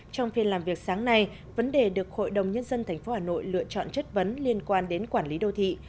trong phiên làm việc sáng nay vấn đề được hội đồng nhân dân tp hà nội lựa chọn chất vấn liên quan đến quản lý đô thị